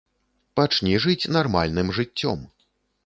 Пачні жыць нармальным жыццём!